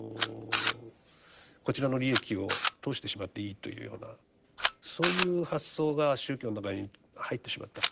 こちらの利益を通してしまっていいというようなそういう発想が宗教の中に入ってしまった。